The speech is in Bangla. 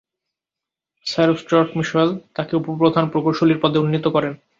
স্যার স্টুয়ার্ট মিশেল তাঁকে উপ-প্রধান প্রকৌশলীর পদে উন্নীত করেন।